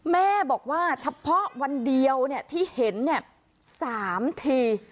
แม่บอกว่าเฉพาะวันเดียวที่เห็น๓ที